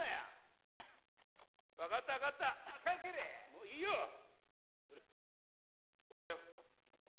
もういいよ！ほらよ。